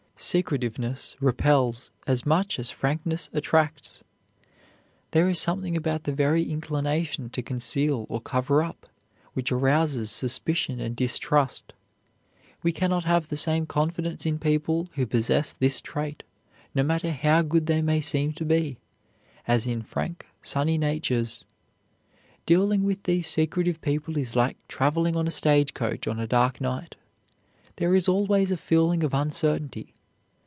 Secretiveness repels as much as frankness attracts. There is something about the very inclination to conceal or cover up which arouses suspicion and distrust. We cannot have the same confidence in people who possess this trait, no matter how good they may seem to be, as in frank, sunny natures. Dealing with these secretive people is like traveling on a stage coach on a dark night. There is always a feeling of uncertainty.